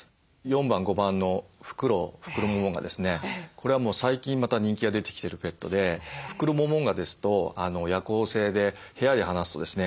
これはもう最近また人気が出てきてるペットでフクロモモンガですと夜行性で部屋に放すとですね